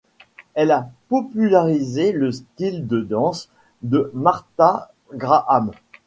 Elle a popularisé le style de danse de Martha Graham.